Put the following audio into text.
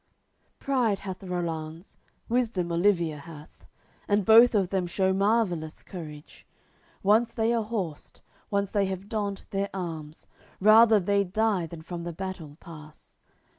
LXXXVII Pride hath Rollanz, wisdom Olivier hath; And both of them shew marvellous courage; Once they are horsed, once they have donned their arms, Rather they'd die than from the battle pass.